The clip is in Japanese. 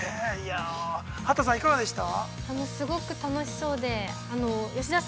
◆畑さんいかがでした？